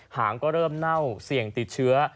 หางก็เริ่มเน่าเสี่ยงติดเชื้อ